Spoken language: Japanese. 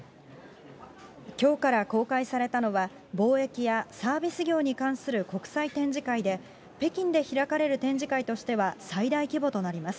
きょうから公開されたのは、貿易やサービス業に関する国際展示会で、北京で開かれる展示会としては最大規模となります。